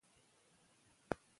که فراغت وي نو هیله نه مري.